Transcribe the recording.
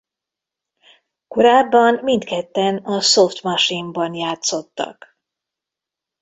Korábban mindketten a Soft Machine-ben játszottak.